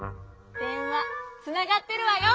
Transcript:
でんわつながってるわよ！